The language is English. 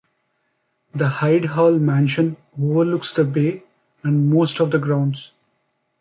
The Hyde Hall mansion overlooks the bay and most of the grounds.